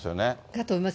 だと思います。